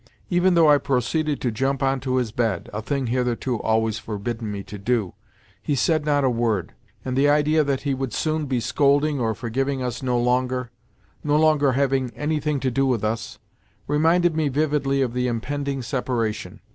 Even though I proceeded to jump on to his bed (a thing hitherto always forbidden me to do), he said not a word; and the idea that he would soon be scolding or forgiving us no longer—no longer having anything to do with us—reminded me vividly of the impending separation.